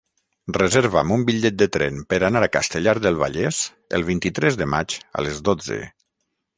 Reserva'm un bitllet de tren per anar a Castellar del Vallès el vint-i-tres de maig a les dotze.